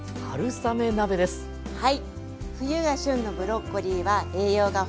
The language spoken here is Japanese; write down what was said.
はい。